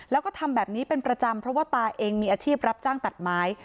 แล้วก็ทำแบบนี้เป็นประจำเพราะว่าตาเองมีอาชีพรับจ้างตัดไม้